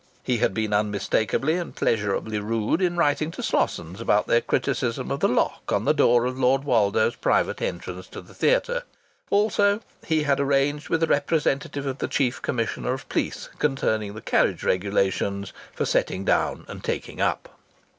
He had been unmistakably and pleasurably rude in writing to Slossons about their criticisms of the lock on the door of Lord Woldo's private entrance to the theatre. Also he had arranged with the representative of the Chief Commissioner of Police concerning the carriage regulations for "setting down and taking up."